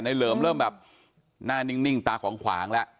เหลิมเริ่มแบบหน้านิ่งตาของขวางแล้ว